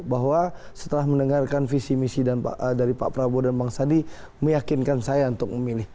bahwa setelah mendengarkan visi misi dari pak prabowo dan bang sandi meyakinkan saya untuk memilih